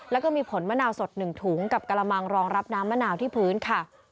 แล้วก็มีผลมะนาวสด๑ถุงกับกระมังรองรับน้ำมะนาวที่พื้นค่ะ